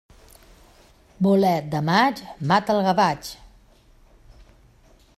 Bolet de maig mata el gavatx.